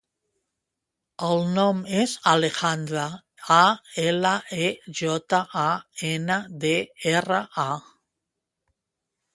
El nom és Alejandra: a, ela, e, jota, a, ena, de, erra, a.